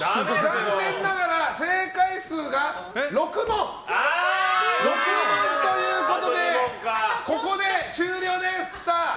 残念ながら正解数が６問ということでここで終了です、スター。